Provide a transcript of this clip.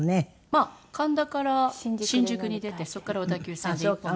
まあ神田から新宿に出てそこから小田急線で１本なので。